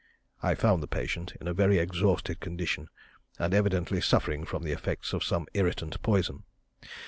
I found the patient in a very exhausted condition, and evidently suffering from the effects of some irritant poison.